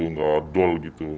tidak dull gitu